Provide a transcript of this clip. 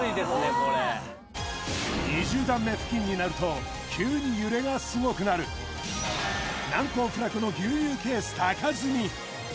これ２０段目付近になると急に揺れがすごくなる難攻不落の牛乳ケース高積み